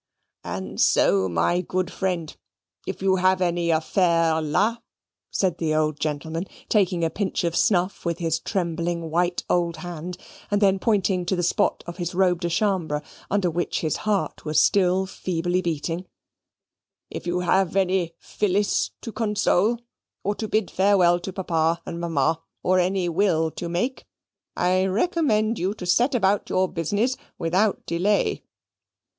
"And so, my good friend, if you have any affaire la," said the old General, taking a pinch of snuff with his trembling white old hand, and then pointing to the spot of his robe de chambre under which his heart was still feebly beating, "if you have any Phillis to console, or to bid farewell to papa and mamma, or any will to make, I recommend you to set about your business without delay."